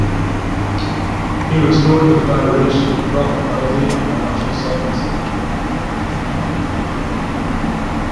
He restored the federation to profitability and financial solvency.